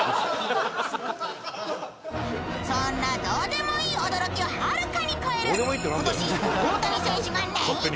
そんなどうでもいい驚きをはるかに超える今年大谷選手がネンイチ！